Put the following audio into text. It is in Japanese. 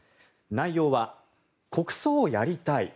内容は国葬をやりたい。